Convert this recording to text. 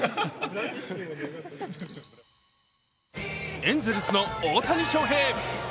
エンゼルスの大谷翔平。